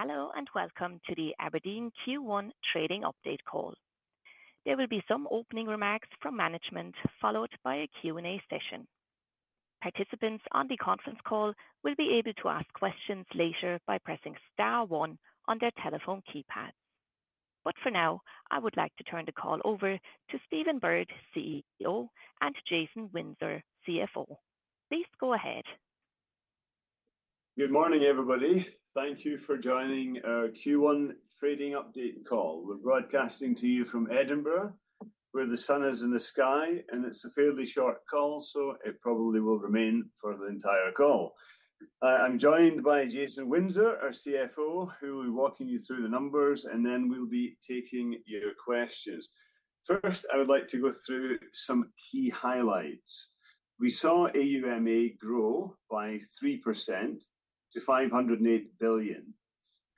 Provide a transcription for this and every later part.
Hello and welcome to the Aberdeen Q1 Trading Update call. There will be some opening remarks from management followed by a Q&A session. Participants on the conference call will be able to ask questions later by pressing star 1 on their telephone keypads. But for now, I would like to turn the call over to Stephen Bird, CEO, and Jason Windsor, CFO. Please go ahead. Good morning, everybody. Thank you for joining our Q1 Trading Update call. We're broadcasting to you from Edinburgh, where the sun is in the sky, and it's a fairly short call, so it probably will remain for the entire call. I'm joined by Jason Windsor, our CFO, who will be walking you through the numbers, and then we'll be taking your questions. First, I would like to go through some key highlights. We saw AUMA grow by 3% to 508 billion,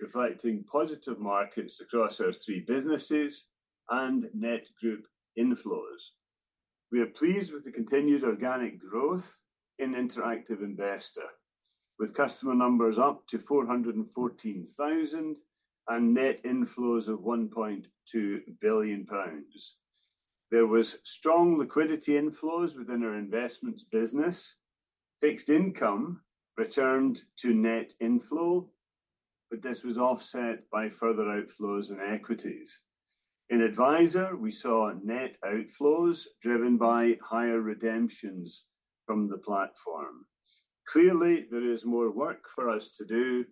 reflecting positive markets across our three businesses and net group inflows. We are pleased with the continued organic growth in Interactive Investor, with customer numbers up to 414,000 and net inflows of 1.2 billion pounds. There was strong liquidity inflows within our Investments business, fixed income returned to net inflow, but this was offset by further outflows in equities. In Adviser, we saw net outflows driven by higher redemptions from the platform. Clearly, there is more work for us to do,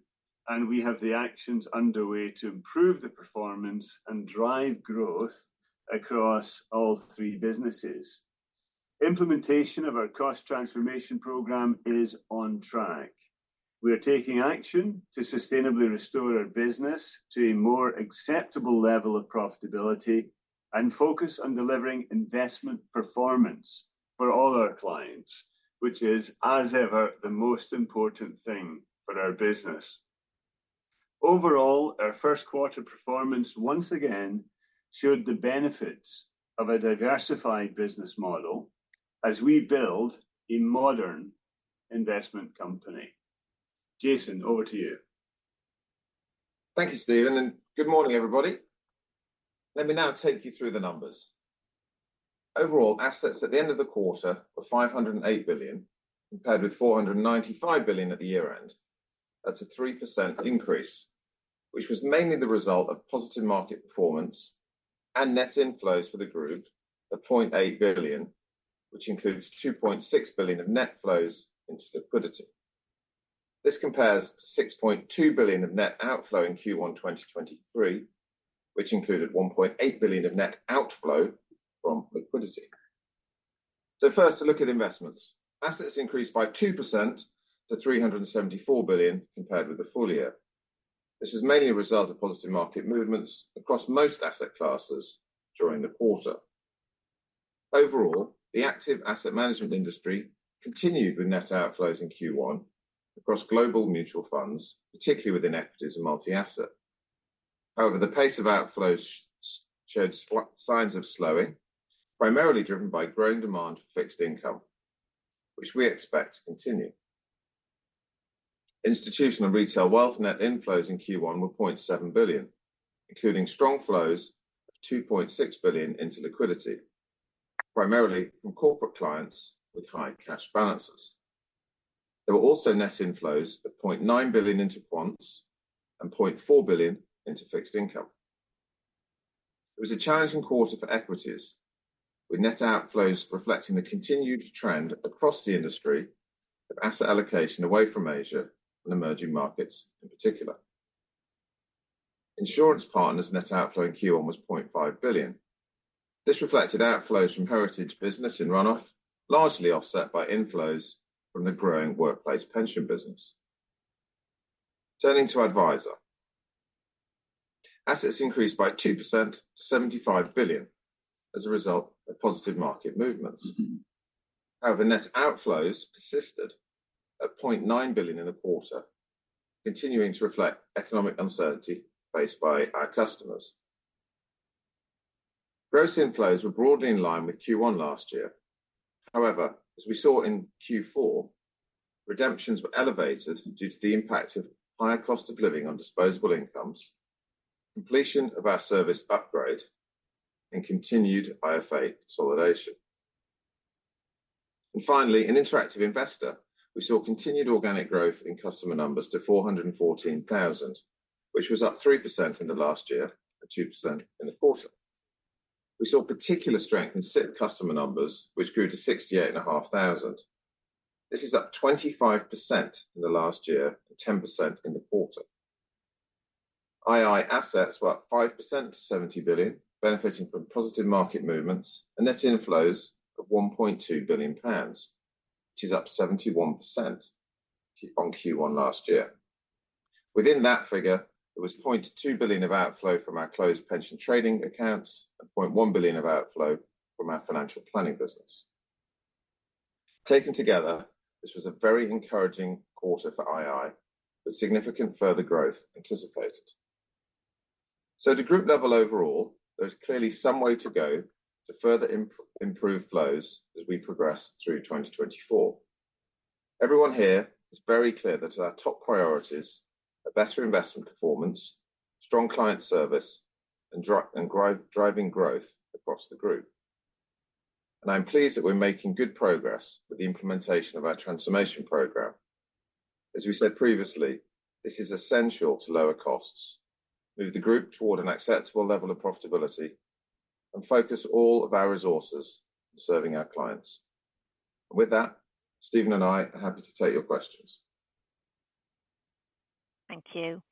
and we have the actions underway to improve the performance and drive growth across all three businesses. Implementation of our cost transformation program is on track. We are taking action to sustainably restore our business to a more acceptable level of profitability and focus on delivering investment performance for all our clients, which is, as ever, the most important thing for our business. Overall, our first quarter performance once again showed the benefits of a diversified business model as we build a modern investment company. Jason, over to you. Thank you, Stephen, and good morning, everybody. Let me now take you through the numbers. Overall, assets at the end of the quarter were 508 billion compared with 495 billion at the year-end. That's a 3% increase, which was mainly the result of positive market performance and net inflows for the group of 0.8 billion, which includes 2.6 billion of net flows into liquidity. This compares to 6.2 billion of net outflow in Q1 2023, which included 1.8 billion of net outflow from liquidity. So first, a look at investments. Assets increased by 2% to 374 billion compared with the full year. This was mainly a result of positive market movements across most asset classes during the quarter. Overall, the active asset management industry continued with net outflows in Q1 across global mutual funds, particularly within equities and multi-asset. However, the pace of outflows showed signs of slowing, primarily driven by growing demand for fixed income, which we expect to continue. Institutional retail wealth net inflows in Q1 were 0.7 billion, including strong flows of 2.6 billion into liquidity, primarily from corporate clients with high cash balances. There were also net inflows of 0.9 billion into bonds and 0.4 billion into fixed income. It was a challenging quarter for equities, with net outflows reflecting the continued trend across the industry of asset allocation away from Asia and emerging markets in particular. Insurance partners net outflow in Q1 was 0.5 billion. This reflected outflows from heritage business in runoff, largely offset by inflows from the growing workplace pension business. Turning to adviser, assets increased by 2% to 75 billion as a result of positive market movements. However, net outflows persisted at 0.9 billion in the quarter, continuing to reflect economic uncertainty faced by our customers. Gross inflows were broadly in line with Q1 last year. However, as we saw in Q4, redemptions were elevated due to the impact of higher cost of living on disposable incomes, completion of our service upgrade, and continued IFA consolidation. And finally, in Interactive Investor, we saw continued organic growth in customer numbers to 414,000, which was up 3% in the last year and 2% in the quarter. We saw particular strength in SIPP customer numbers, which grew to 68,500. This is up 25% in the last year and 10% in the quarter. II assets were up 5% to 70 billion, benefiting from positive market movements and net inflows of 1.2 billion pounds, which is up 71% on Q1 last year. Within that figure, there was 0.2 billion of outflow from our closed pension trading accounts and 0.1 billion of outflow from our financial planning business. Taken together, this was a very encouraging quarter for II, with significant further growth anticipated. So to group level overall, there's clearly some way to go to further improve flows as we progress through 2024. Everyone here is very clear that our top priorities are better investment performance, strong client service, and driving growth across the group. I'm pleased that we're making good progress with the implementation of our transformation program. As we said previously, this is essential to lower costs, move the group toward an acceptable level of profitability, and focus all of our resources on serving our clients. With that, Stephen and I are happy to take your questions. Thank you.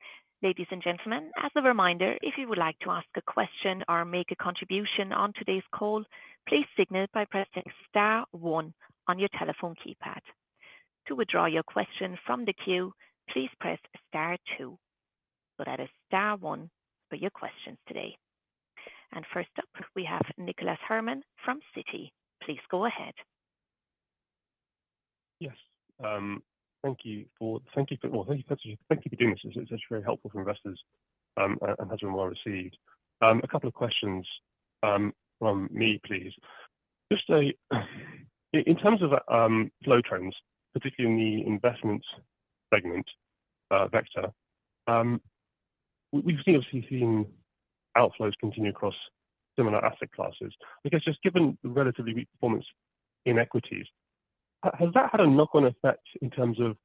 Ladies and gentlemen, as a reminder, if you would like to ask a question or make a contribution on today's call, please signal by pressing star one on your telephone keypad. To withdraw your question from the queue, please press star two. So that is star one for your questions today. First up, we have Nicholas Herman from Citi. Please go ahead. Yes. Thank you. Well, thank you, Peter. Thank you for doing this. It's actually very helpful for investors and has been well received. A couple of questions from me, please. Just in terms of flow trends, particularly in the investments segment, Vector, we've obviously seen outflows continue across similar asset classes. I guess just given the relatively weak performance in equities, has that had a knock-on effect in terms of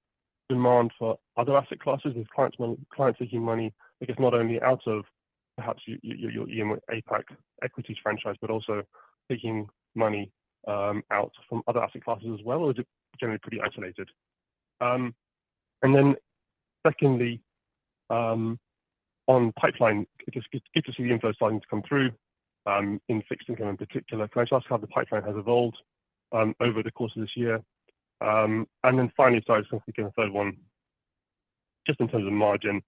demand for other asset classes with clients taking money, I guess, not only out of perhaps your APAC equities franchise, but also taking money out from other asset classes as well, or is it generally pretty isolated? And then secondly, on pipeline, it's good to see the inflows starting to come through in fixed income in particular. Can I just ask how the pipeline has evolved over the course of this year? Then finally, sorry, just going to pick a third one. Just in terms of margin,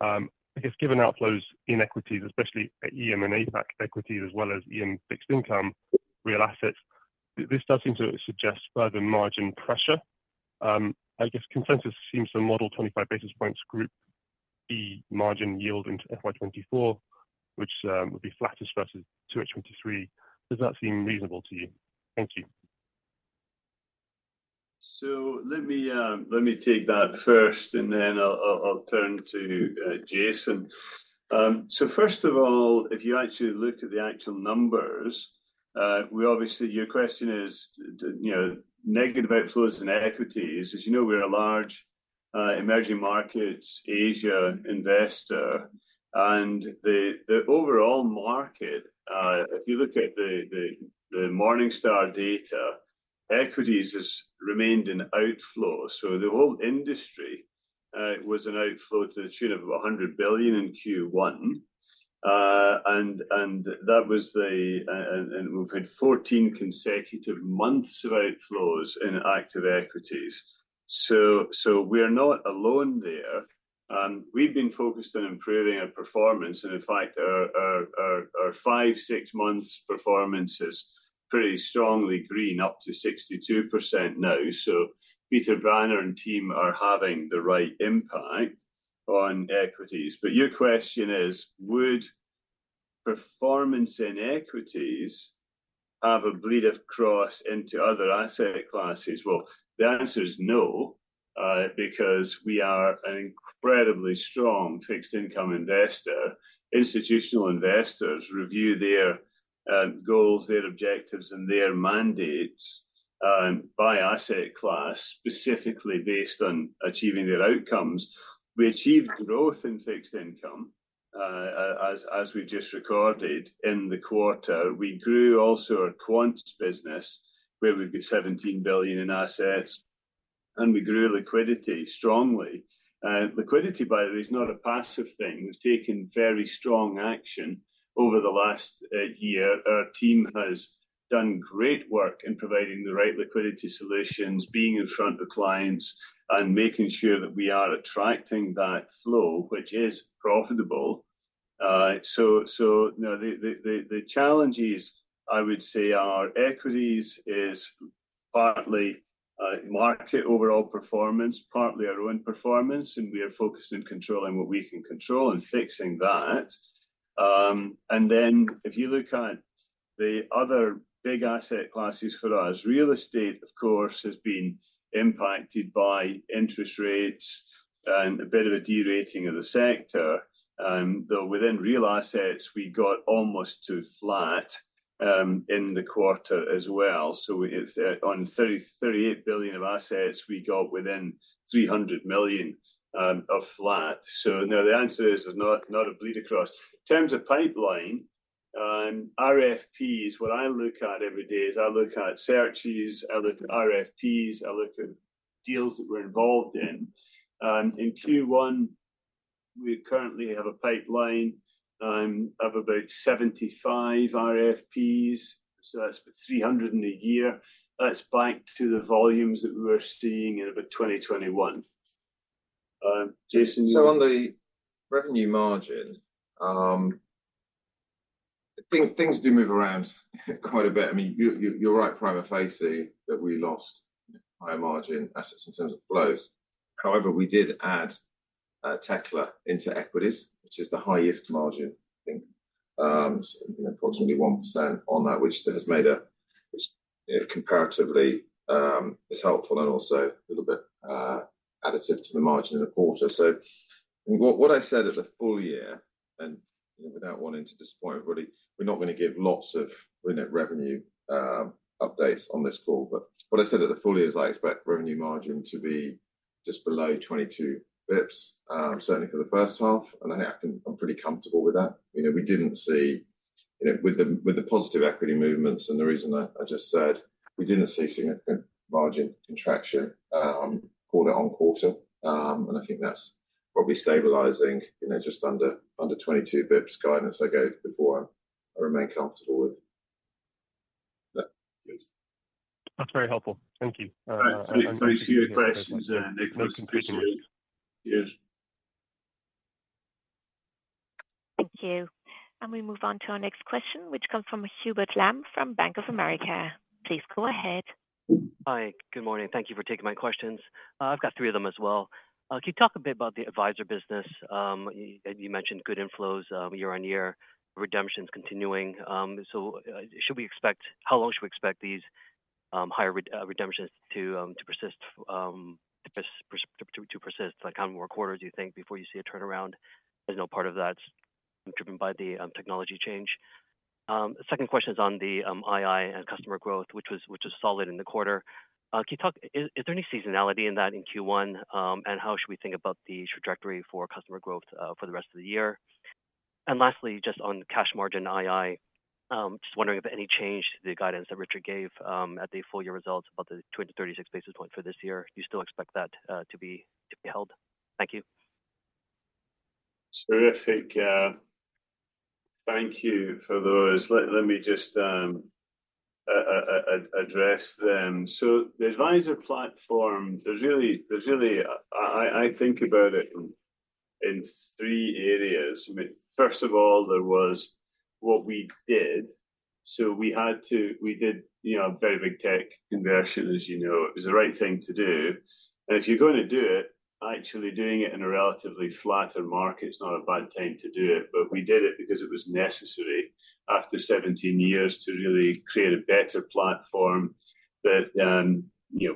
I guess given outflows in equities, especially EM and APAC equities as well as EM fixed income, real assets, this does seem to suggest further margin pressure. I guess consensus seems to model 25 basis points Group fee margin yield into FY 2024, which would be flattest versus 2H 2023. Does that seem reasonable to you? Thank you. So let me take that first, and then I'll turn to Jason. So first of all, if you actually look at the actual numbers, obviously, your question is negative outflows in equities. As you know, we're a large emerging markets Asia investor. And the overall market, if you look at the Morningstar data, equities have remained in outflow. So the whole industry was an outflow to the tune of about 100 billion in Q1. And we've had 14 consecutive months of outflows in active equities. So we're not alone there. We've been focused on improving our performance. And in fact, our five, six months performance is pretty strongly green, up to 62% now. So Peter Branner and team are having the right impact on equities. But your question is, would performance in equities have a bleed-of-cross into other asset classes? Well, the answer is no because we are an incredibly strong fixed income investor. Institutional investors review their goals, their objectives, and their mandates by asset class, specifically based on achieving their outcomes. We achieved growth in fixed income, as we just recorded in the quarter. We grew also our quants business, where we've got 17 billion in assets. And we grew liquidity strongly. Liquidity, by the way, is not a passive thing. We've taken very strong action over the last year. Our team has done great work in providing the right liquidity solutions, being in front of clients, and making sure that we are attracting that flow, which is profitable. So the challenges, I would say, are equities is partly market overall performance, partly our own performance, and we are focused on controlling what we can control and fixing that. Then if you look at the other big asset classes for us, real estate, of course, has been impacted by interest rates and a bit of a derating of the sector. Though within real assets, we got almost to flat in the quarter as well. So on 38 billion of assets, we got within 300 million of flat. So now the answer is there's not a bleed-across. In terms of pipeline, RFPs, what I look at every day is I look at searches, I look at RFPs, I look at deals that we're involved in. In Q1, we currently have a pipeline of about 75 RFPs. So that's about 300 in a year. That's back to the volumes that we were seeing in about 2021. Jason. So on the revenue margin, things do move around quite a bit. I mean, you're right, primarily facing that we lost higher margin assets in terms of flows. However, we did add Tekla into equities, which is the highest margin, I think, approximately 1% on that, which has made, which comparatively is helpful and also a little bit additive to the margin in the quarter. So what I said at the full year and without wanting to disappoint everybody, we're not going to give lots of revenue updates on this call. But what I said at the full year is I expect revenue margin to be just below 22 basis points, certainly for the first half. And I think I'm pretty comfortable with that. We didn't see, with the positive equity movements and the reason I just said, we didn't see significant margin contraction quarter-on-quarter. I think that's probably stabilizing just under 22 basis points guidance I gave before. I remain comfortable with. That's very helpful. Thank you. Thanks. Thanks for your questions, Nicholas. Yes. Thank you. We move on to our next question, which comes from Hubert Lam from Bank of America. Please go ahead. Hi. Good morning. Thank you for taking my questions. I've got three of them as well. Can you talk a bit about the advisor business? You mentioned good inflows year-on-year, redemptions continuing. So how long should we expect these higher redemptions to persist? To persist like how many more quarters do you think before you see a turnaround? There's no part of that's driven by the technology change. The second question is on the II and customer growth, which was solid in the quarter. Is there any seasonality in that in Q1? And how should we think about the trajectory for customer growth for the rest of the year? And lastly, just on cash margin II, just wondering if any change to the guidance that Richard gave at the full year results about the 236 basis points for this year, do you still expect that to be held? Thank you. Terrific. Thank you for those. Let me just address them. So the Adviser platform, there's really, I think, about it in three areas. First of all, there was what we did. So we had to; we did a very big tech conversion, as you know. It was the right thing to do. And if you're going to do it, actually doing it in a relatively flatter market is not a bad time to do it. But we did it because it was necessary after 17 years to really create a better platform that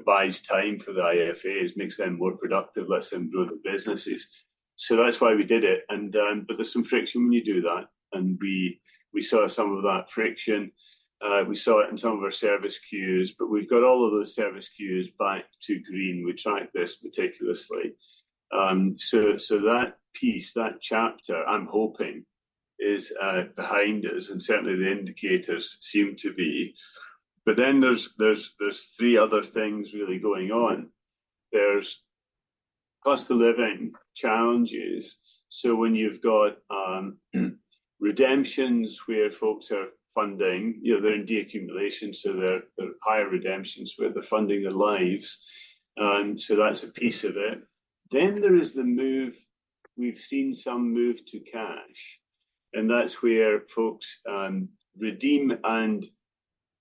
buys time for the IFAs, makes them more productive, lets them grow the businesses. So that's why we did it. But there's some friction when you do that. And we saw some of that friction. We saw it in some of our service queues. But we've got all of those service queues back to green. We track this meticulously. So that piece, that chapter, I'm hoping, is behind us. And certainly the indicators seem to be. But then there's three other things really going on. There's cost of living challenges. So when you've got redemptions where folks are funding, they're in de-accumulation. So they're higher redemptions where they're funding their lives. So that's a piece of it. Then there is the move we've seen some move to cash. And that's where folks redeem and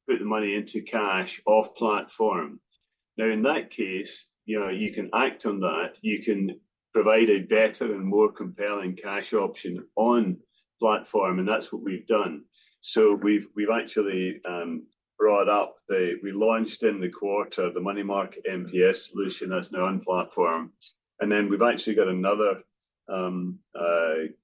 put the money into cash off platform. Now, in that case, you can act on that. You can provide a better and more compelling cash option on platform. And that's what we've done. So we've actually launched in the quarter the Money Market MPS solution that's now on platform. And then we've actually got another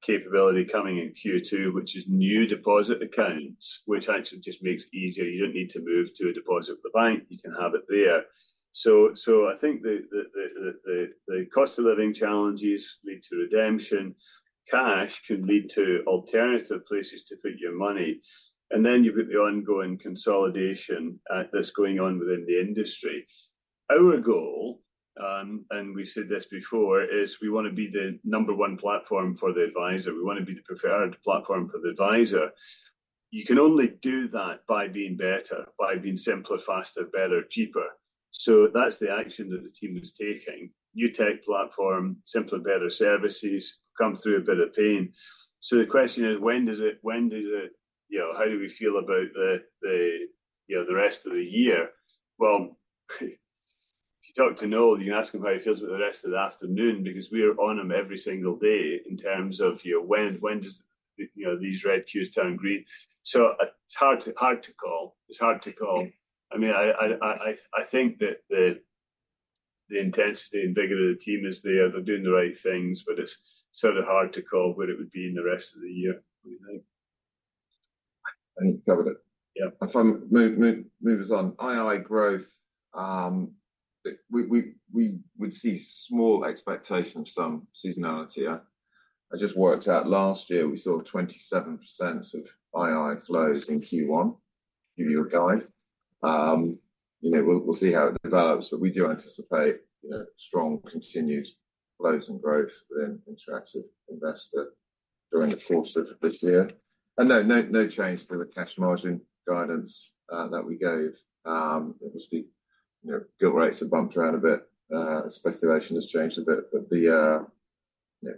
capability coming in Q2, which is new deposit accounts, which actually just makes it easier. You don't need to move to a deposit with the bank. You can have it there. So I think the cost of living challenges lead to redemption. Cash can lead to alternative places to put your money. And then you've got the ongoing consolidation that's going on within the industry. Our goal, and we said this before, is we want to be the number one platform for the advisor. We want to be the preferred platform for the advisor. You can only do that by being better, by being simpler, faster, better, cheaper. So that's the action that the team is taking. New tech platform, simpler, better services, come through a bit of pain. So the question is, when does it how do we feel about the rest of the year? Well, if you talk to Noel, you can ask him how he feels about the rest of the afternoon because we are on him every single day in terms of when does these red cues turn green. So it's hard to call. It's hard to call. I mean, I think that the intensity and vigor of the team is there. They're doing the right things. But it's sort of hard to call where it would be in the rest of the year, we think. I think covered it. If I move us on, II growth, we would see small expectations of some seasonality. I just worked out last year, we saw 27% of II flows in Q1, give you a guide. We'll see how it develops. But we do anticipate strong continued flows and growth within interactive investor during the course of this year. And no, no change to the cash margin guidance that we gave. Obviously, gilt rates have bumped around a bit. Speculation has changed a bit. But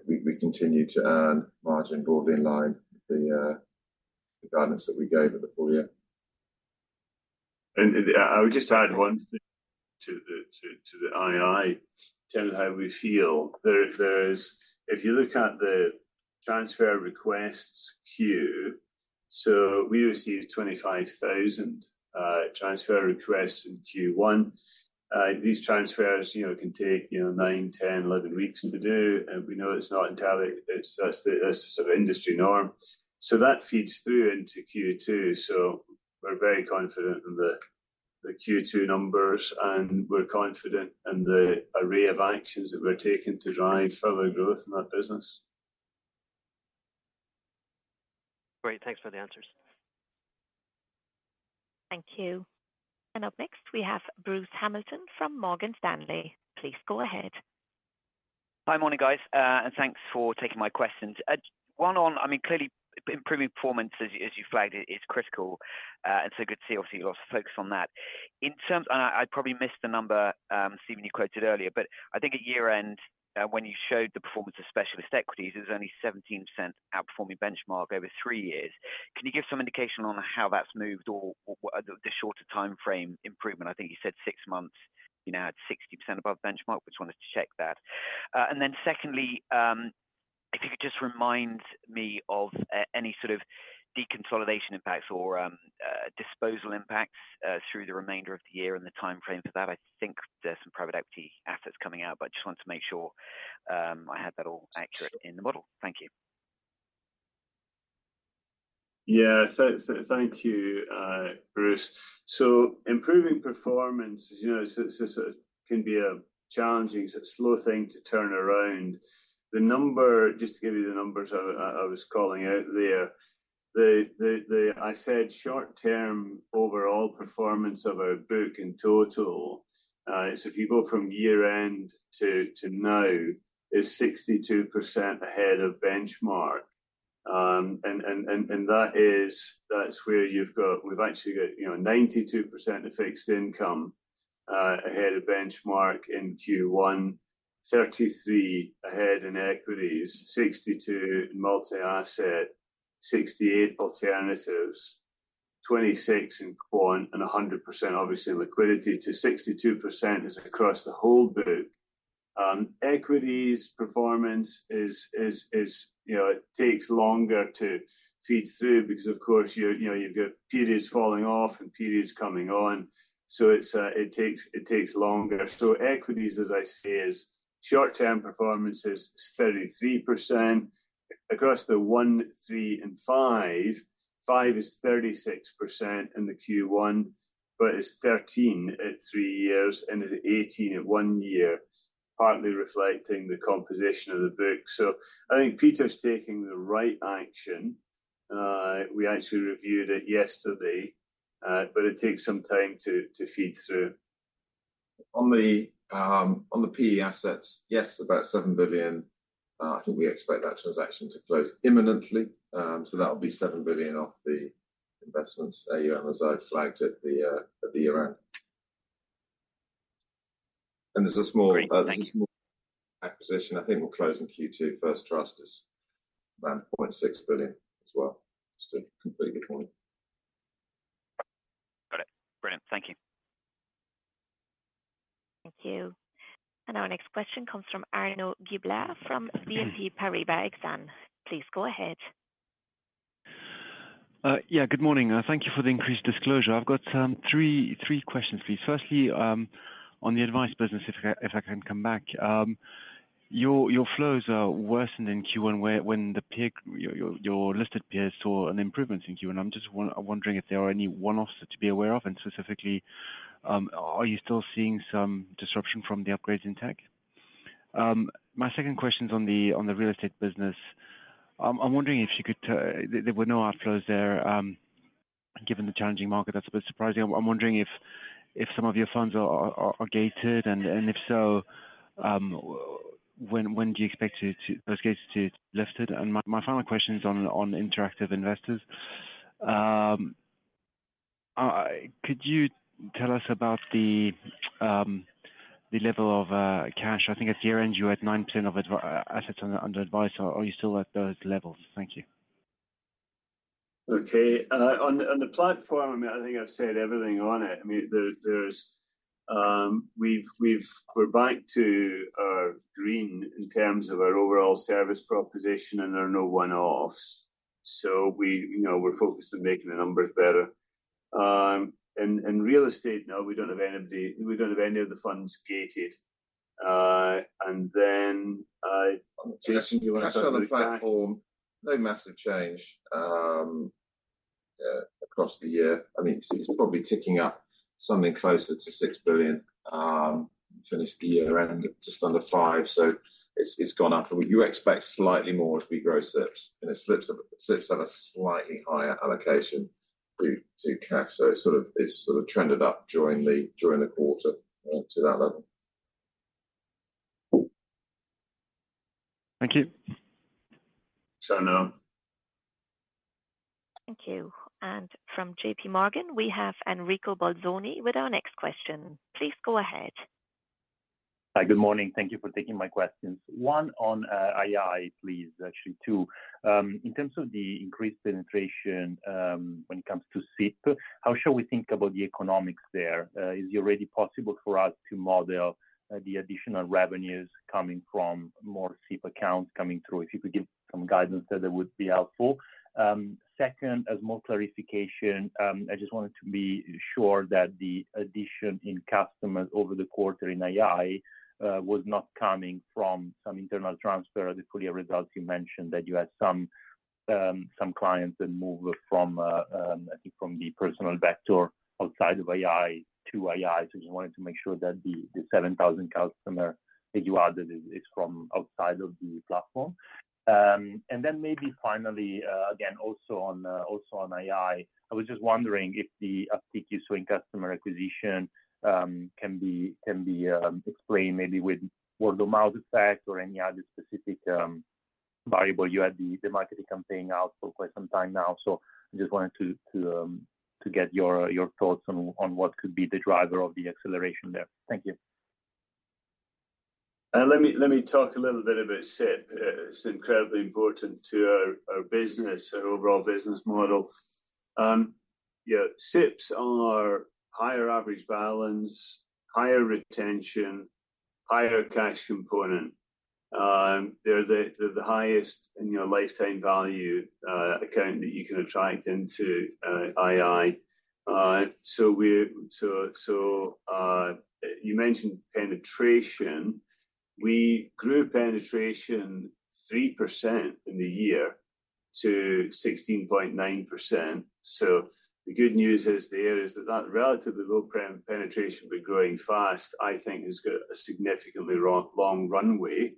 we continue to earn margin broadly in line with the guidance that we gave at the full year. I would just add one thing to the II, telling how we feel. If you look at the transfer requests queue, so we received 25,000 transfer requests in Q1. These transfers can take nine, 10, 11 weeks to do. And we know it's not entirely; that's the sort of industry norm. So that feeds through into Q2. So we're very confident in the Q2 numbers. And we're confident in the array of actions that we're taking to drive further growth in that business. Great. Thanks for the answers. Thank you. Up next, we have Bruce Hamilton from Morgan Stanley. Please go ahead. Hi, morning, guys. Thanks for taking my questions. One on, I mean, clearly, improving performance, as you flagged, is critical. So good to see, obviously, lots of focus on that. I probably missed the number, Stephen, you quoted earlier. But I think at year-end, when you showed the performance of specialist equities, it was only 17% outperforming benchmark over three years. Can you give some indication on how that's moved or the shorter timeframe improvement? I think you said six months, you now had 60% above benchmark. We just wanted to check that. Then secondly, if you could just remind me of any sort of deconsolidation impacts or disposal impacts through the remainder of the year and the timeframe for that. I think there's some private equity assets coming out. But I just wanted to make sure I had that all accurate in the model. Thank you. Yeah. So thank you, Bruce. So improving performance, as you know, can be a challenging, slow thing to turn around. Just to give you the numbers I was calling out there, I said short-term overall performance of our book in total. So if you go from year-end to now, it's 62% ahead of benchmark. And that's where we've actually got 92% of fixed income ahead of benchmark in Q1, 33% ahead in equities, 62% in multi-asset, 68% alternatives, 26% in quant, and 100%, obviously, liquidity. To 62% is across the whole book. Equities performance, it takes longer to feed through because, of course, you've got periods falling off and periods coming on. So it takes longer. So equities, as I say, is short-term performance is 33%. Across the one, three, and five, five is 36% in the Q1, but it's 13% at 3 years and it's 18% at one year, partly reflecting the composition of the book. So I think Peter's taking the right action. We actually reviewed it yesterday. But it takes some time to feed through. On the PE assets, yes, about 7 billion. I think we expect that transaction to close imminently. So that'll be 7 billion off the investments that you and Azad flagged at the year-end. And there's a small acquisition. I think we'll close in Q2. First Trust is around 0.6 billion as well. Just a completely good point. Got it. Brilliant. Thank you. Thank you. Our next question comes from Arnaud Giblat from BNP Paribas Exane. Please go ahead. Yeah. Good morning. Thank you for the increased disclosure. I've got three questions, please. Firstly, on the advisor business, if I can come back, your flows are worsened in Q1 when your listed peers saw an improvement in Q1. I'm just wondering if there are any one-offs to be aware of. And specifically, are you still seeing some disruption from the upgrades in tech? My second question's on the real estate business. I'm wondering if you could there were no outflows there given the challenging market. That's a bit surprising. I'm wondering if some of your funds are gated. And if so, when do you expect those gates to be lifted? And my final question's on interactive investor. Could you tell us about the level of cash? I think at year-end, you were at 9% of assets under advisor. Are you still at those levels? Thank you. Okay. On the platform, I mean, I think I've said everything on it. I mean, we're back to our green in terms of our overall service proposition. And there are no one-offs. So we're focused on making the numbers better. In real estate now, we don't have any of the funds gated. And then. Jason, do you want to talk about? Across the platform, no massive change across the year. I mean, it's probably ticking up something closer to 6 billion. Finished the year-end just under 5 billion. So it's gone up. And you expect slightly more as we grow SIPPs. And SIPPs have a slightly higher allocation to cash. So it sort of trended up during the quarter to that level. Thank you. So no. Thank you. From JP Morgan, we have Enrico Bolzoni with our next question. Please go ahead. Hi. Good morning. Thank you for taking my questions. One on II, please. Actually, two. In terms of the increased penetration when it comes to SIPP, how should we think about the economics there? Is it already possible for us to model the additional revenues coming from more SIPP accounts coming through? If you could give some guidance that would be helpful. Second, as more clarification, I just wanted to be sure that the addition in customers over the quarter in II was not coming from some internal transfer at the full year results you mentioned, that you had some clients that move, I think, from the Personal Vector outside of II to II. So I just wanted to make sure that the 7,000 customer that you added is from outside of the platform. Then maybe finally, again, also on II, I was just wondering if the uptick you saw in customer acquisition can be explained maybe with word-of-mouth effect or any other specific variable. You had the marketing campaign out for quite some time now. I just wanted to get your thoughts on what could be the driver of the acceleration there. Thank you. Let me talk a little bit about SIPP. It's incredibly important to our business, our overall business model. SIPPs are higher average balance, higher retention, higher cash component. They're the highest in your lifetime value account that you can attract into II. So you mentioned penetration. We grew penetration 3% in the year to 16.9%. So the good news there is that that relatively low penetration, but growing fast, I think, has got a significantly long runway.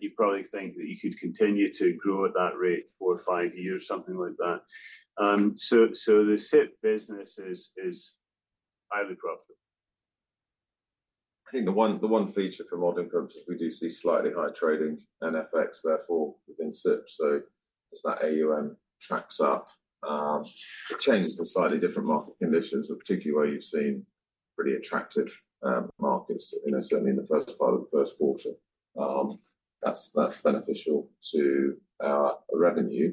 You probably think that you could continue to grow at that rate four or five years, something like that. So the SIPP business is highly profitable. I think the one feature for modern purposes, we do see slightly higher trading NFX, therefore, within SIPP. So as that AUM tracks up, it changes to slightly different market conditions, particularly where you've seen pretty attractive markets, certainly in the first part of the first quarter. That's beneficial to our revenue.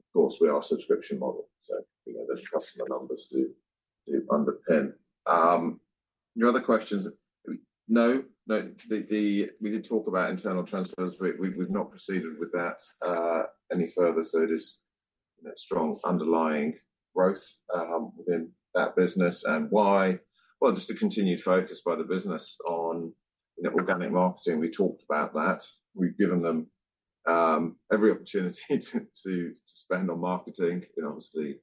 Of course, we are a subscription model. So the customer numbers do underpin. Your other questions, no? We did talk about internal transfers, but we've not proceeded with that any further. So it is strong underlying growth within that business. And why? Well, just a continued focus by the business on organic marketing. We talked about that. We've given them every opportunity to spend on marketing. Obviously,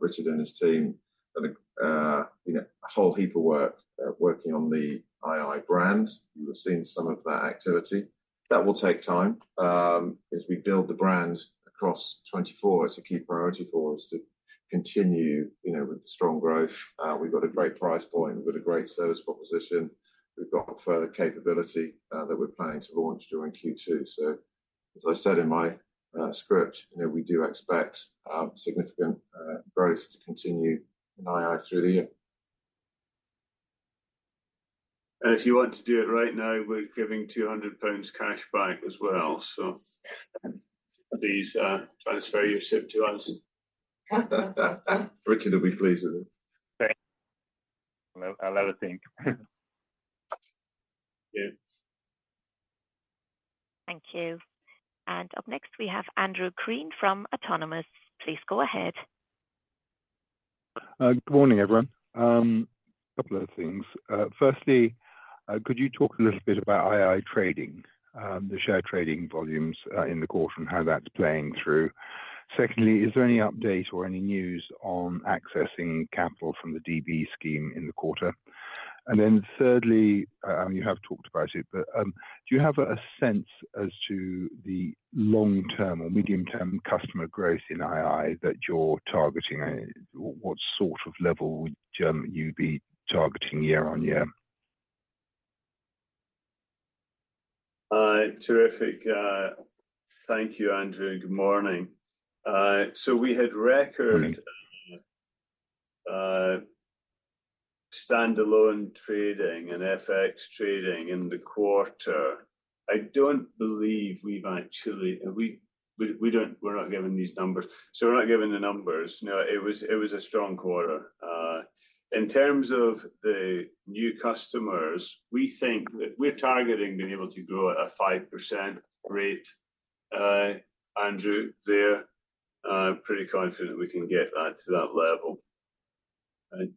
Richard and his team have a whole heap of work working on the II brand. You have seen some of that activity. That will take time. As we build the brand across 2024, it's a key priority for us to continue with the strong growth. We've got a great price point. We've got a great service proposition. We've got further capability that we're planning to launch during Q2. So as I said in my script, we do expect significant growth to continue in II through the year. If you want to do it right now, we're giving 200 pounds cash back as well. Please transfer your SIPP to us. Richard will be pleased with it. Thanks. I'll have a think. Thank you. And up next, we have Andrew Crean from Autonomous. Please go ahead. Good morning, everyone. A couple of things. Firstly, could you talk a little bit about II trading, the share trading volumes in the quarter, and how that's playing through? Secondly, is there any update or any news on accessing capital from the DB scheme in the quarter? And then thirdly, I mean, you have talked about it, but do you have a sense as to the long-term or medium-term customer growth in II that you're targeting? What sort of level would you be targeting year-on-year? Terrific. Thank you, Andrew. Good morning. So we had record standalone trading and FX trading in the quarter. I don't believe we're not giving these numbers. So we're not giving the numbers. It was a strong quarter. In terms of the new customers, we think that we're targeting being able to grow at a 5% rate. Andrew, there, pretty confident we can get that to that level.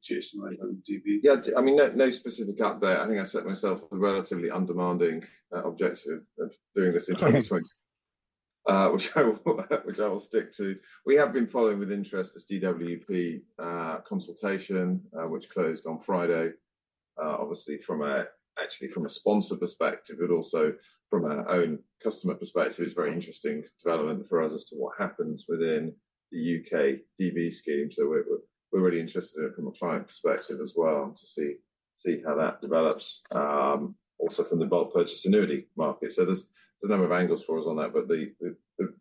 Jason Windsor on DB. Yeah. I mean, no specific update. I think I set myself a relatively undemanding objective of doing this in 2020, which I will stick to. We have been following with interest this DWP consultation, which closed on Friday, obviously, actually from a sponsor perspective, but also from our own customer perspective. It's a very interesting development for us as to what happens within the U.K. DB scheme. So we're really interested in it from a client perspective as well to see how that develops, also from the Bulk Purchase Annuity market. So there's a number of angles for us on that. But the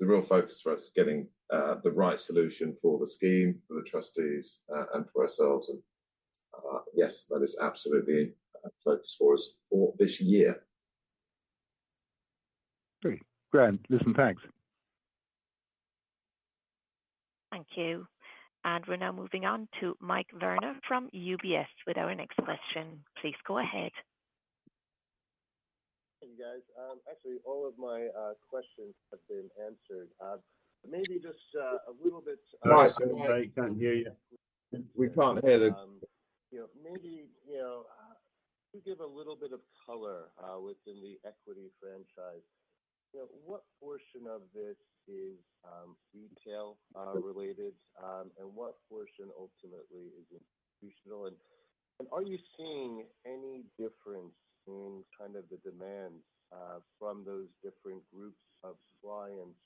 real focus for us is getting the right solution for the scheme, for the trustees, and for ourselves. And yes, that is absolutely a focus for us for this year. Great. Great. Listen, thanks. Thank you. And we're now moving on to Mike Werner from UBS with our next question. Please go ahead. Hey, guys. Actually, all of my questions have been answered. But maybe just a little bit. No, I'm sorry. I can't hear you. We can't hear the. Maybe do give a little bit of color within the equity franchise. What portion of this is retail-related? And what portion, ultimately, is institutional? And are you seeing any difference in kind of the demands from those different groups of clients?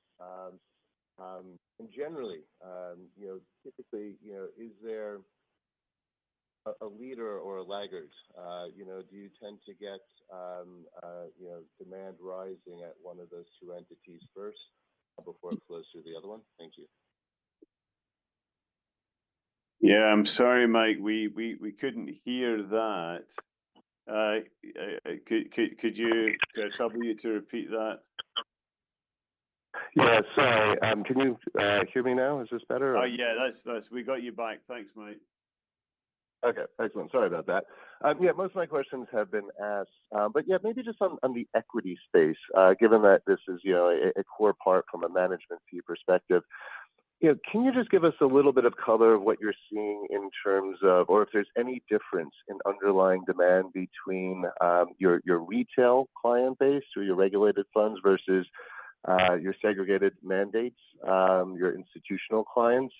And generally, typically, is there a leader or a laggard? Do you tend to get demand rising at one of those two entities first before it flows through the other one? Thank you. Yeah. I'm sorry, mate. We couldn't hear that. Could you trouble you to repeat that? Yeah. Sorry. Can you hear me now? Is this better? Oh, yeah. We got you back. Thanks, mate. Okay. Excellent. Sorry about that. Yeah. Most of my questions have been asked. But yeah, maybe just on the equity space, given that this is a core part from a management fee perspective, can you just give us a little bit of color on what you're seeing in terms of or if there's any difference in underlying demand between your retail client base or your regulated funds versus your segregated mandates, your institutional clients?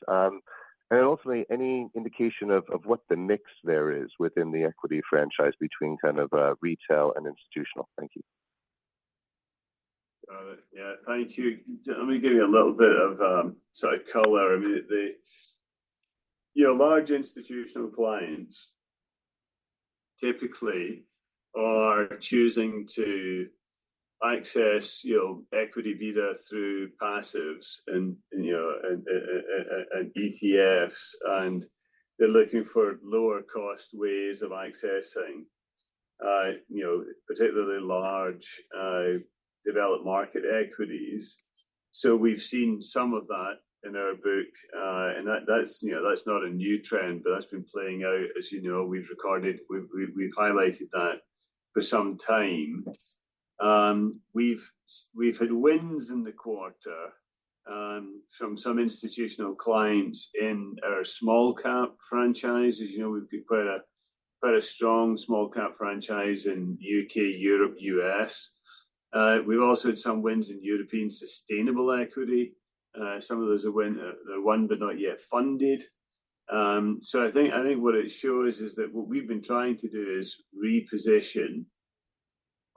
And then ultimately, any indication of what the mix there is within the equity franchise between kind of retail and institutional? Thank you. Got it. Yeah. Thank you. Let me give you a little bit of, sorry, color. I mean, large institutional clients typically are choosing to access equity beta through passives and ETFs. And they're looking for lower-cost ways of accessing, particularly large developed market equities. So we've seen some of that in our book. And that's not a new trend, but that's been playing out. As you know, we've highlighted that for some time. We've had wins in the quarter from some institutional clients in our small-cap franchise. As you know, we've got quite a strong small-cap franchise in UK, Europe, US. We've also had some wins in European sustainable equity. Some of those are won, but not yet funded. So I think what it shows is that what we've been trying to do is reposition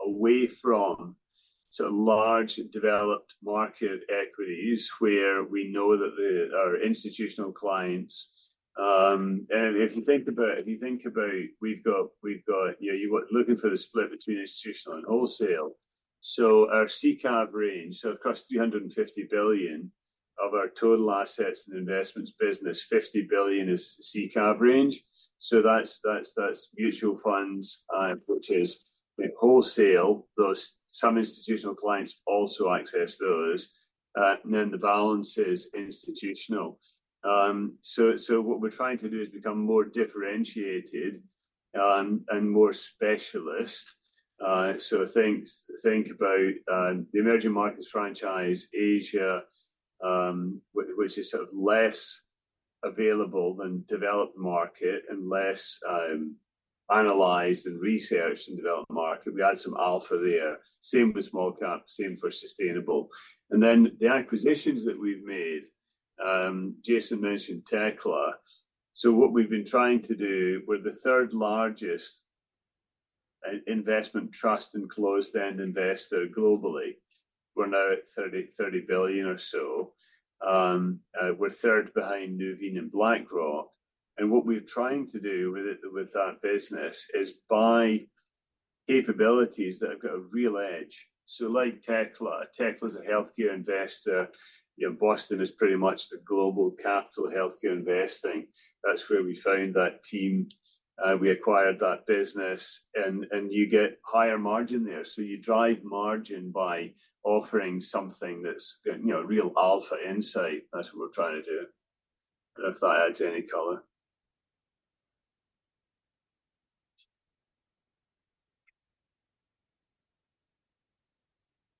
away from sort of large developed market equities where we know that our institutional clients and if you think about if you think about we've got you're looking for the split between institutional and wholesale. So our SICAV range, so across 350 billion of our total assets and investments business, 50 billion is SICAV range. So that's mutual funds, which is wholesale. Some institutional clients also access those. And then the balance is institutional. So what we're trying to do is become more differentiated and more specialist. So think about the emerging markets franchise, Asia, which is sort of less available than developed market and less analyzed and researched in developed market. We add some alpha there. Same with small-cap, same for sustainable. And then the acquisitions that we've made, Jason mentioned Tekla. So what we've been trying to do, we're the third largest investment trust and closed-end investor globally. We're now at 30 billion or so. We're third behind Nuveen and BlackRock. And what we're trying to do with that business is buy capabilities that have got a real edge. So like Tekla, Tekla is a healthcare investor. Boston is pretty much the global capital healthcare investing. That's where we found that team. We acquired that business. And you get higher margin there. So you drive margin by offering something that's got real alpha insight. That's what we're trying to do. If that adds any color.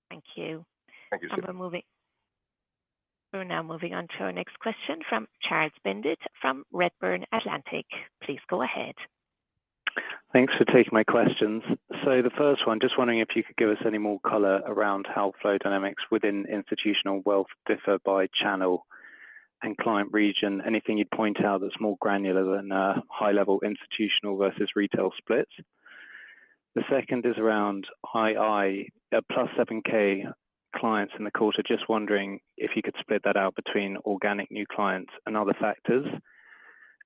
Thank you. Thank you, sir. We're now moving on to our next question from Charles Bendit from Redburn Atlantic. Please go ahead. Thanks for taking my questions. So the first one, just wondering if you could give us any more color around how flow dynamics within institutional wealth differ by channel and client region. Anything you'd point out that's more granular than high-level institutional versus retail splits. The second is around II, plus 7,000 clients in the quarter. Just wondering if you could split that out between organic new clients and other factors.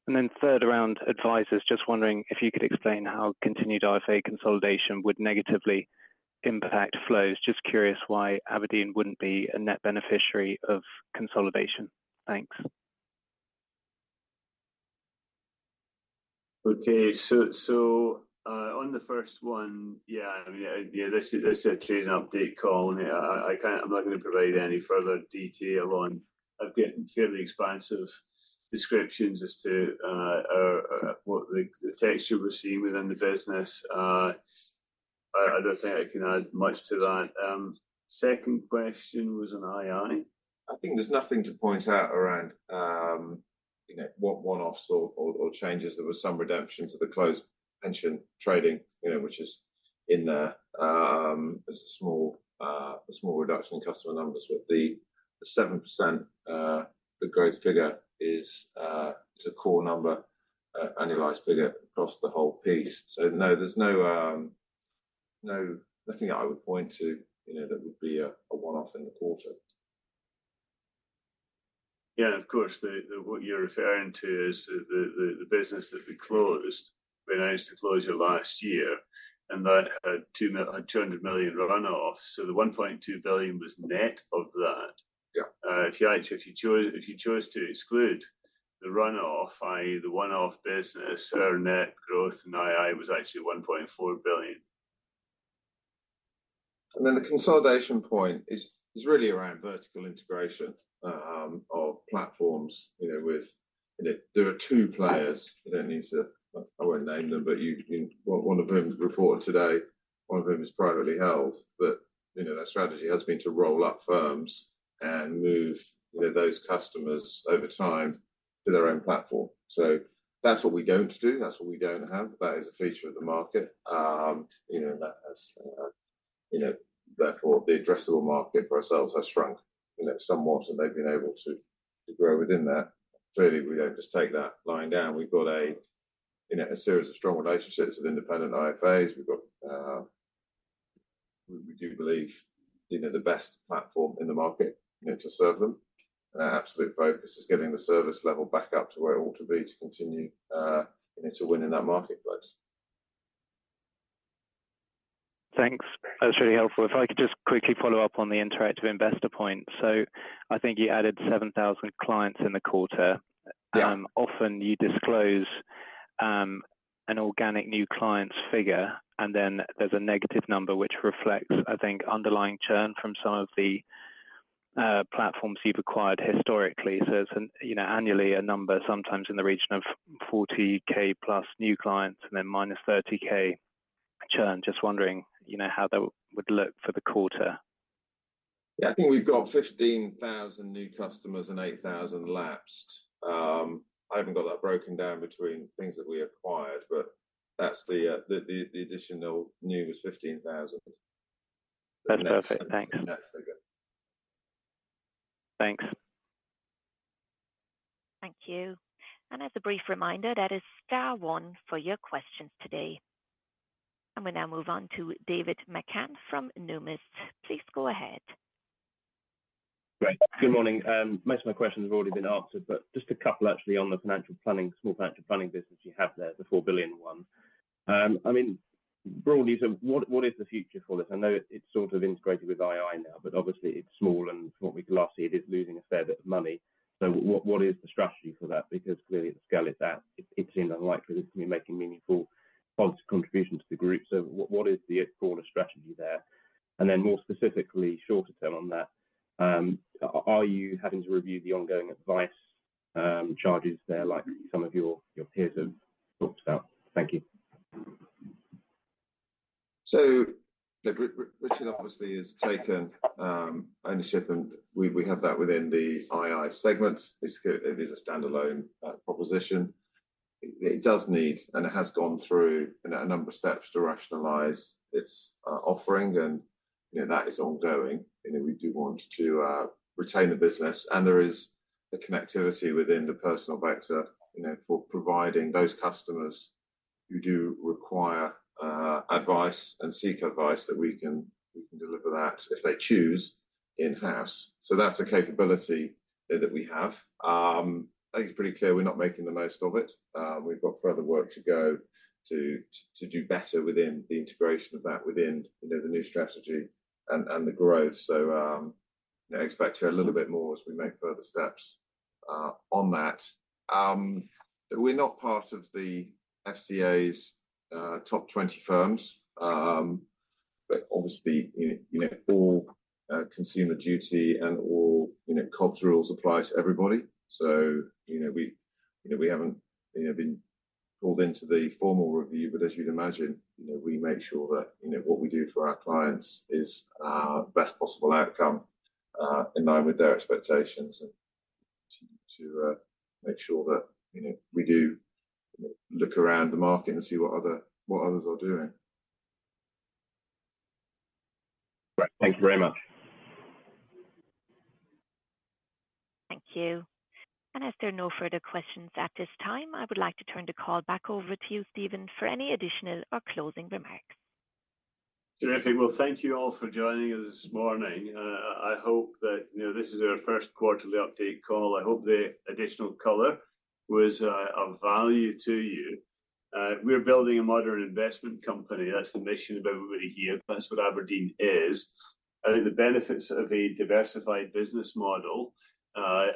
And then third, around advisors, just wondering if you could explain how continued IFA consolidation would negatively impact flows. Just curious why Aberdeen wouldn't be a net beneficiary of consolidation. Thanks. Okay. So on the first one, yeah, I mean, this is a trade and update call. I'm not going to provide any further detail on. I've got fairly expansive descriptions as to what the texture we're seeing within the business. I don't think I can add much to that. Second question was on II. I think there's nothing to point out around what one-offs or changes. There was some redemption to the closed pension trading, which is in there. There's a small reduction in customer numbers. But the 7% that grows bigger is a core number, annualized figure across the whole piece. So no, there's nothing I would point to that would be a one-off in the quarter. Yeah. Of course, what you're referring to is the business that we closed, we managed to close it last year. And that had 200 million runoff. So the 1.2 billion was net of that. If you chose to exclude the runoff, i.e., the one-off business, our net growth in II was actually 1.4 billion. And then the consolidation point is really around vertical integration of platforms, with there are two players. I won't name them, but one of whom reported today, one of whom is privately held. But their strategy has been to roll up firms and move those customers over time to their own platform. So that's what we don't do. That's what we don't have. That is a feature of the market. And that has, therefore, the addressable market for ourselves has shrunk somewhat. And they've been able to grow within that. Clearly, we don't just take that lying down. We've got a series of strong relationships with independent IFAs. We do believe the best platform in the market to serve them. And our absolute focus is getting the service level back up to where it ought to be to continue to win in that marketplace. Thanks. That's really helpful. If I could just quickly follow up on the interactive investor point. So I think you added 7,000 clients in the quarter. Often, you disclose an organic new clients figure. And then there's a negative number, which reflects, I think, underlying churn from some of the platforms you've acquired historically. So it's annually a number, sometimes in the region of 40,000+ new clients and then minus 30,000 churn. Just wondering how that would look for the quarter. Yeah. I think we've got 15,000 new customers and 8,000 lapsed. I haven't got that broken down between things that we acquired. But the additional new was 15,000. That's perfect. Thanks. That's the net figure. Thanks. Thank you. And as a brief reminder, that is star one for your questions today. And we now move on to David McCann from Numis. Please go ahead. Great. Good morning. Most of my questions have already been answered, but just a couple, actually, on the small financial planning business you have there, the 4 billion one. I mean, broadly, so what is the future for this? I know it's sort of integrated with II now. But obviously, it's small. And from what we can last see, it is losing a fair bit of money. So what is the strategy for that? Because clearly, at the scale it's at, it seems unlikely this to be making meaningful positive contributions to the group. So what is the broader strategy there? And then more specifically, shorter term on that, are you having to review the ongoing advice charges there, like some of your peers have talked about? Thank you. Richard obviously has taken ownership. We have that within the II segment. It is a standalone proposition. It does need and it has gone through a number of steps to rationalize its offering. That is ongoing. We do want to retain the business. There is a connectivity within the personal vector for providing those customers who do require advice and seek advice that we can deliver that if they choose in-house. That's a capability that we have. I think it's pretty clear we're not making the most of it. We've got further work to go to do better within the integration of that within the new strategy and the growth. Expect to hear a little bit more as we make further steps on that. We're not part of the FCA's top 20 firms. But obviously, all Consumer Duty and all COBS rules apply to everybody. So we haven't been pulled into the formal review. But as you'd imagine, we make sure that what we do for our clients is our best possible outcome in line with their expectations and to make sure that we do look around the market and see what others are doing. Right. Thank you very much. Thank you. If there are no further questions at this time, I would like to turn the call back over to you, Stephen, for any additional or closing remarks. Terrific. Well, thank you all for joining us this morning. I hope that this is our first quarterly update call. I hope the additional color was of value to you. We're building a modern investment company. That's the mission of everybody here. That's what Aberdeen is. I think the benefits of a diversified business model are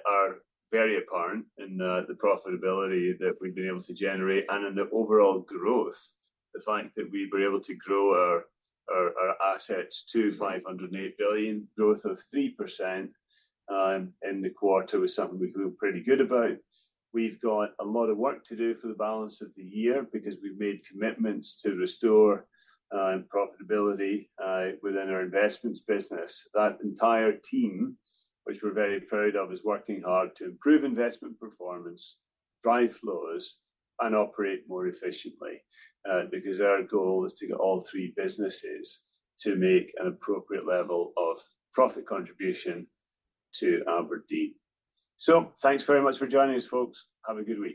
very apparent in the profitability that we've been able to generate and in the overall growth, the fact that we were able to grow our assets to 508 billion, growth of 3% in the quarter was something we feel pretty good about. We've got a lot of work to do for the balance of the year because we've made commitments to restore profitability within our investments business. That entire team, which we're very proud of, is working hard to improve investment performance, drive flows, and operate more efficiently because our goal is to get all three businesses to make an appropriate level of profit contribution to Aberdeen. So thanks very much for joining us, folks. Have a good week.